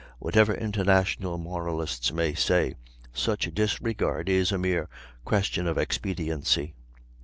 Whatever international moralists may say, such disregard is a mere question of expediency.